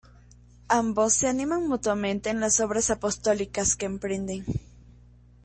Ambos se animan mutuamente en las obras apostólicas que emprenden.